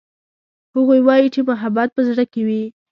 هغوی وایي چې محبت په زړه کې وي